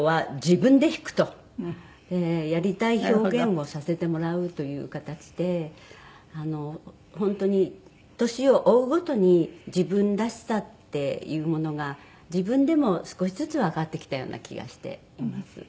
やりたい表現をさせてもらうという形で本当に年を追うごとに自分らしさっていうものが自分でも少しずつわかってきたような気がしています。